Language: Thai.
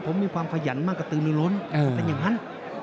ผมมีความขยันมากกระตือมีล้นผมเป็นอย่างนั้น